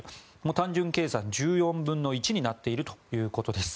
単純計算で１４分の１になっているということです。